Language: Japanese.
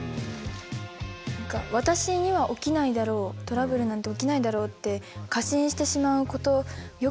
何か私には起きないだろうトラブルなんて起きないだろうって過信してしまうことよくあることなので。